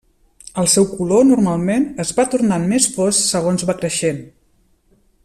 El seu color normalment es va tornant més fosc segons va creixent.